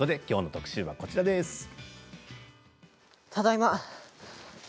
きょうの特集はこちらです。